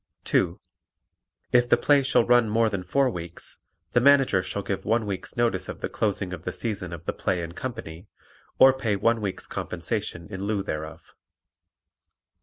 (2) If the play shall run more than four weeks, the Manager shall give one week's notice of the closing of the season of the play and company, or pay one week's compensation in lieu thereof.